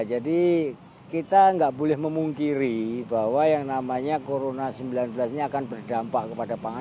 jadi kita enggak boleh memungkiri bahwa yang namanya corona sembilan belas ini akan berdampak kepada pangan